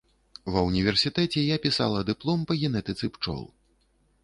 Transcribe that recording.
Ва ўніверсітэце я пісала дыплом па генетыцы пчол.